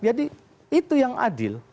jadi itu yang adil